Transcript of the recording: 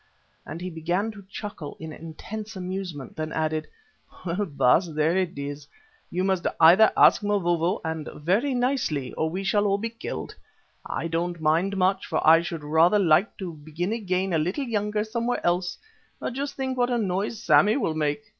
and he began to chuckle in intense amusement, then added, "Well, Baas, there it is. You must either ask Mavovo, and very nicely, or we shall all be killed. I don't mind much, for I should rather like to begin again a little younger somewhere else, but just think what a noise Sammy will make!"